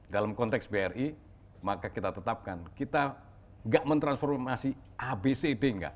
dalam konteks bri maka kita tetapkan kita nggak mentransformasi abcd nggak